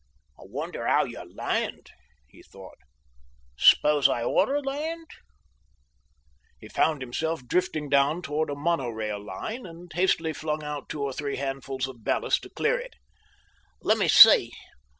"I wonder how you land," he thought. "S'pose I OUGHT to land?" He found himself drifting down towards a mono rail line, and hastily flung out two or three handfuls of ballast to clear it. "Lemme see!